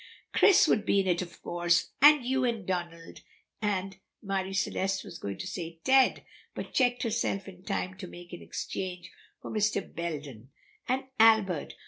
"Chris would be in it, of course, and you and Donald and " and Marie Celeste was going to say Ted, but checked herself in time to make an exchange for Mr. Belden "and Albert.